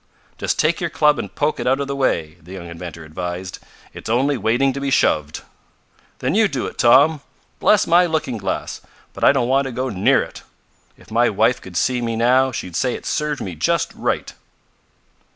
"Just take your club and poke it out of the way," the young inventor advised. "It's only waiting to be shoved." "Then you do it, Tom. Bless my looking glass, but I don't want to go near it! If my wife could see me now she'd say it served me just right."